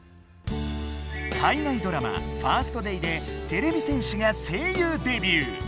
海外ドラマ「ファースト・デイ」でてれび戦士が声優デビュー！